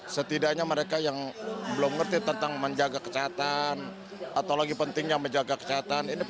setidaknya mereka yang belum ngerti tentang menjaga kesehatan atau lagi pentingnya menjaga kesehatan ini